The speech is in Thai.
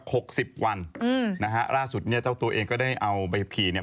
หกสิบวันอืมนะฮะล่าสุดเนี้ยเจ้าตัวเองก็ได้เอาใบขับขี่เนี่ย